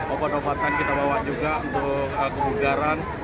obat obatan kita bawa juga untuk kebugaran